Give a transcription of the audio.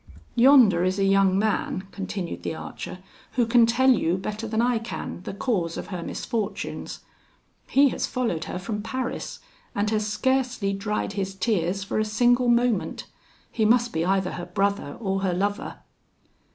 Yonder is a young man," continued the archer, "who can tell you, better than I can, the cause of her misfortunes. He has followed her from Paris, and has scarcely dried his tears for a single moment. He must be either her brother or her lover."